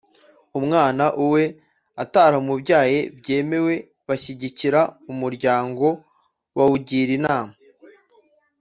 umwana uwe ataramubyaye byemewe bashyigikira umuryango bawugira inama